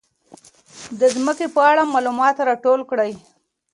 د ځمکې په اړه معلومات راټول کړئ.